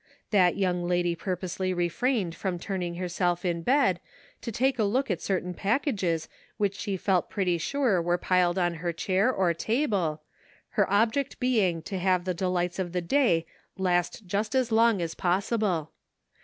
That young lady purposely refrained from turning herself in bed to take a look at certain packages which she felt pretty sure were piled on her chair or table, her object being to have the delights of "MERRY CHRISTMAS." 309 the day last just as long as possible.